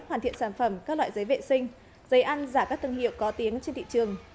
hoàn thiện sản phẩm các loại giấy vệ sinh giấy ăn giả các thương hiệu có tiếng trên thị trường